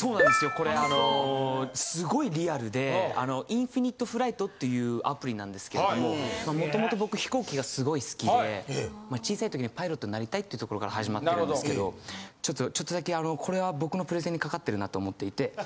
これあのすごいリアルでＩｎｆｉｎｉｔｅＦｌｉｇｈｔっていうアプリなんですけどももともと僕飛行機がすごい好きで小さい時にパイロットになりたいってところから始まってるんですけどちょっとだけあのこれは僕のプレゼンにかかってるなと思っていて。